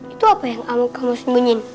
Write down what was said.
itu apa yang kamu sembunyiin